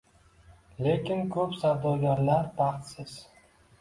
Lekin ko'p savdogarlar baxtsiz